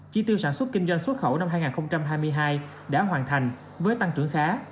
chi tiêu sản xuất kinh doanh xuất khẩu năm hai nghìn hai mươi hai đã hoàn thành với tăng trưởng khá